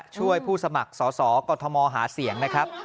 ผู้สมัครสอสอกรทมหาเสียงนะครับ